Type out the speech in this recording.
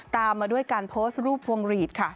ตามมาด้วยการโพสต์รูปพวงหลีดค่ะ